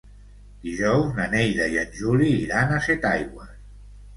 Dijous na Neida i en Juli iran a Setaigües.